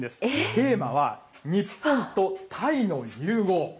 テーマは、日本とタイの融合。